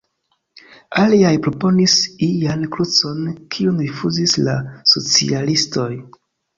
Aliaj proponis ian krucon, kiun rifuzis la socialistoj.